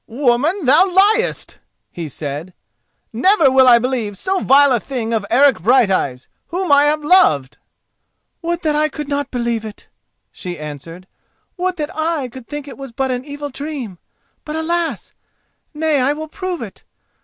"Woman, thou liest!" he said. "Never will I believe so vile a thing of Eric Brighteyes, whom I have loved." "Would that I could not believe it!" she answered. "Would that I could think it was but an evil dream! But alas! Nay, I will prove it.